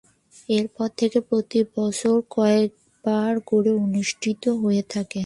এরপর থেকে প্রতি বছর কয়েক বার করে অনুষ্ঠিত হয়ে থাকে।